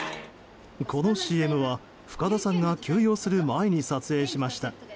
このＣＭは深田さんが休養する前に撮影しました。